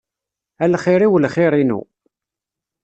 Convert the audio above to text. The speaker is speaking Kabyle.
A lxir-iw lxir-inu.